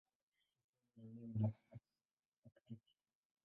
Ni sehemu ya eneo la Aktiki.